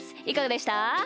いかがでした？